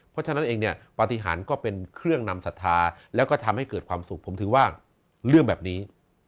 เพราะฉะนั้นเองเนี่ยปฏิหารก็เป็นเครื่องนำศรัทธาแล้วก็ทำให้เกิดความสุขผมถือว่าเรื่องแบบนี้